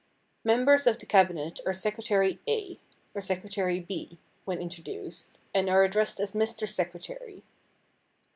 Members of the cabinet are "Secretary A." or "Secretary B.," when introduced, and are addressed as "Mr. Secretary."